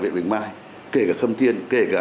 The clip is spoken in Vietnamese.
việt bình mai kể cả khâm tiên kể cả